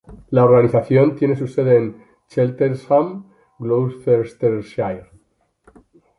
La organización tiene su sede en Cheltenham, Gloucestershire.